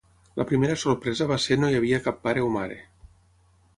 La primera sorpresa va ser no hi havia cap pare o mare.